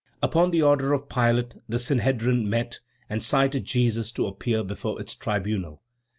Upon the order of Pilate the Sanhedrim met and cited Jesus to appear before its tribunal.